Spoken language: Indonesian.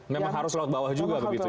memang harus laut bawah juga begitu ya